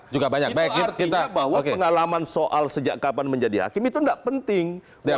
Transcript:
juga banyak artinya bahwa pengalaman soal sejak kapan menjadi hakim itu tidak penting